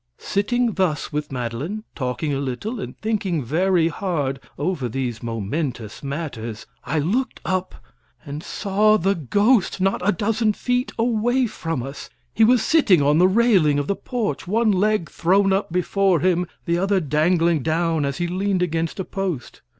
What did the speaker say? Sitting thus with Madeline, talking a little, and thinking very hard over these momentous matters, I looked up and saw the ghost, not a dozen feet away from us. He was sitting on the railing of the porch, one leg thrown up before him, the other dangling down as he leaned against a post.